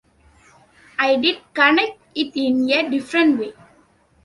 I'd connect it in a different way.